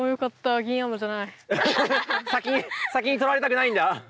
先に先にとられたくないんだ。